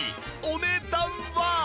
お値段は！？